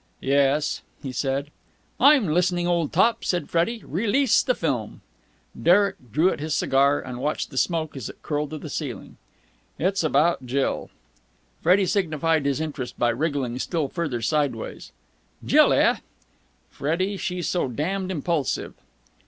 "Yes," he said. "I'm listening, old top," said Freddie. "Release the film." Derek drew at his cigar, and watched the smoke as it curled to the ceiling. "It's about Jill." Freddie signified his interest by wriggling still further sideways. "Jill, eh?" "Freddie, she's so damned impulsive!"